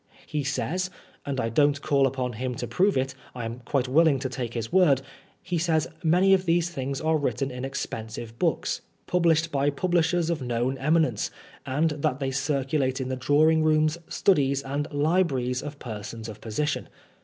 He says — and I don^t call upon him to prove it, I am quite willing to take his word — ^he says many of these things are written in expensive books, pub 1,58 PRISONER FOR BLASPHEMY. lished by publishers of known eminence, and that they circulate in ihe drawing rooms, studies, and libraries of persons of position.